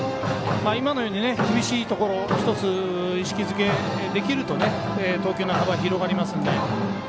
今のように厳しいところ１つ意識づけできると投球の幅、広がりますので。